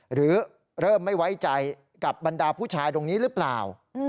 หรือเริ่มไม่ไว้ใจกับบรรดาผู้ชายตรงนี้หรือเปล่า